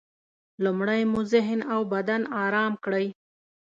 لومړی مو ذهن او بدن ارام کړئ.